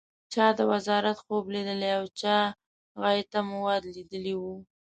چا د وزارت خوب لیدلی او چا غایطه مواد لیدلي و.